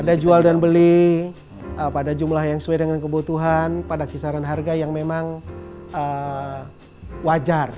ada jual dan beli pada jumlah yang sesuai dengan kebutuhan pada kisaran harga yang memang wajar